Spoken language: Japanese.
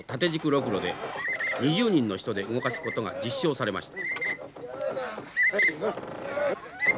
ロクロで２０人の人で動かすことが実証されました。